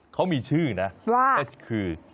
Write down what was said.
เขามีชื่อนะคือ